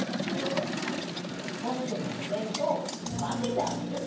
ぼくのおべんとうわけてあげる！